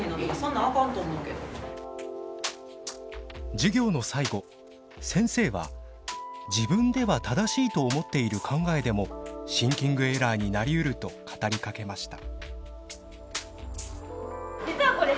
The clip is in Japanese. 授業の最後先生は自分では正しいと思っている考えでもシンキングエラーになりうると語りかけました。